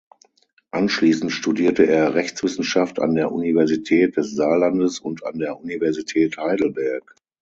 Anschließend studierte er Rechtswissenschaft an der Universität des Saarlandes und an der Universität Heidelberg.